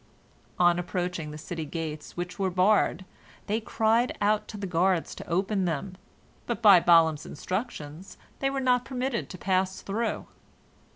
On approaching the city gates, which were barred, they cried out to the guards to open them, but by Balaam's instructions they were not permitted to pass through.